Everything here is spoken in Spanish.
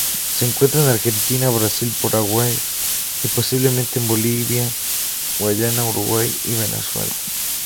Se encuentra en Argentina, Brasil, Paraguay y, posiblemente en Bolivia, Guyana, Uruguay y Venezuela.